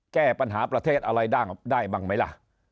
แก้ปัญหาประเทศอะไรได้บ้างไหมล่ะ